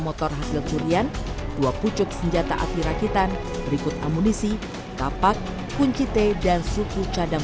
motor hasil curian dua pucuk senjata api rakitan berikut amunisi lapak kunci t dan suku cadang